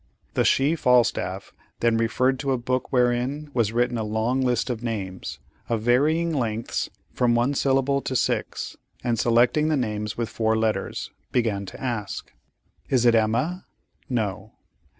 The she Falstaff then referred to a book wherein was written a long list of names, of varying lengths from one syllable to six, and selecting the names with four letters, began to ask. "Is it Emma?" "No."